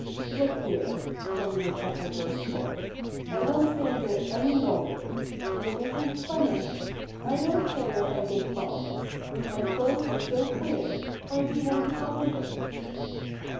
"Look here!" Reddy Woodpecker burst forth. "I won't stay here any longer. You're making fun of me. I don't care if I did promise. If my clothes are so queer why do you want to copy them?"